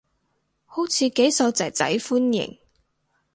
好似幾受囝仔歡迎